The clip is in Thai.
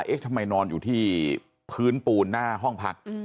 ทำไมนอนอยู่ที่พื้นปูนหน้าห้องพัก